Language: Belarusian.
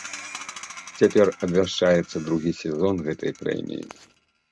Цяпер абвяшчаецца другі сезон гэтай прэміі.